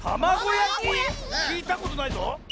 きいたことないぞ！